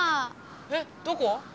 えっどこ？